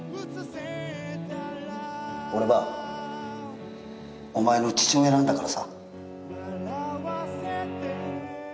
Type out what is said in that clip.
俺はお前の父親なんだからさ。